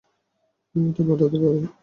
কে এটা পাঠাতে পারে?